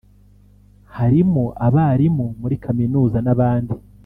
harimo abarimu muri kaminuza n’abandi